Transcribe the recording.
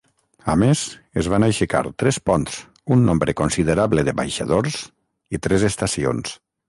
A més es van aixecar tres ponts, un nombre considerable de baixadors i tres estacions.